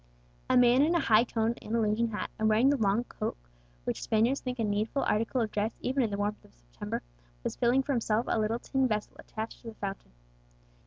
A man in a high coned Andalusian hat, and wearing the long cloak which Spaniards think a needful article of dress even in the warmth of September, was filling for himself a little tin vessel attached to the fountain.